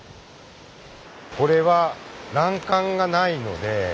これは欄干がないので。